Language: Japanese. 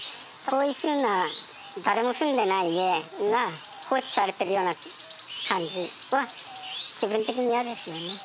こういう風な誰も住んでない家が放置されてるような感じは気分的にイヤですよね。